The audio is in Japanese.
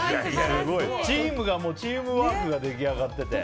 チームがチームワークができあがってて。